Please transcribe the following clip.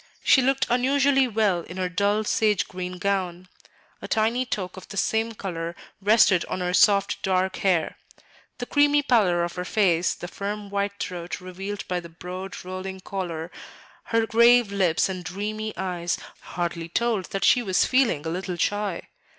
She looked unusually well in her dull sage green gown. A tiny toque of the same color rested on her soft dark hair. The creamy pallor of her face, the firm white throat revealed by the broad rolling collar, her grave lips and dreamy eyes, hardly told that she was feeling a little shy.